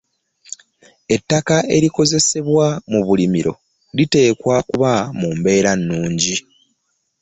Ettaka erikozesebwa mu bulimiro liteekwa kuba mu mbeera nnungi.